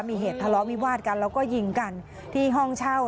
มีเหตุทะเลาะวิวาดกันแล้วก็ยิงกันที่ห้องเช่า